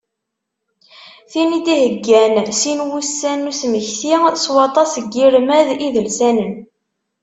Tin i d-iheggan sin wussan n usmekti, s waṭas n yiremad idelsanen.